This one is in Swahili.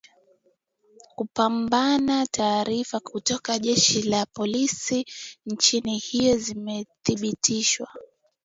kupambana taarifa kutoka jeshi la polisi la nchi hiyo zimethibitisha